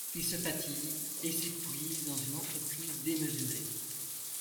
Il se fatigue et s'épuise dans une entreprise démesurée.